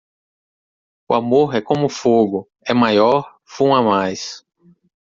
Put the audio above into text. O amor é como fogo; É maior, fuma mais.